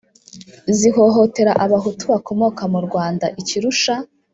zihohotera abahutu bakomoka mu rwanda. ikirusha